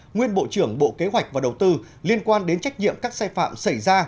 nguyên bộ trưởng bộ kế hoạch và đầu tư liên quan đến trách nhiệm các sai phạm xảy ra